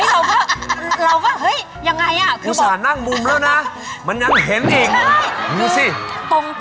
เราก็ยังไงอุตส่านั่งมุมแล้วนะมันยังเห็นเอง